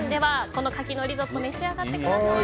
この牡蠣のリゾット召し上がってください。